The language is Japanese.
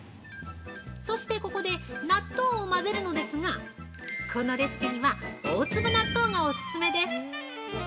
そして、ここで納豆を混ぜるのですがこのレシピには大粒納豆がオススメです！